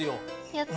やった！